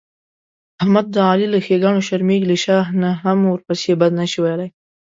احمد د علي له ښېګڼونه شرمېږي، له شا نه هم ورپسې بد نشي ویلای.